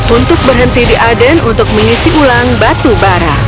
untuk berhenti di aden untuk mengisi ulang batu bara